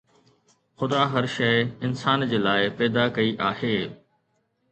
خدا هر شيءِ انسان جي لاءِ پيدا ڪئي آهي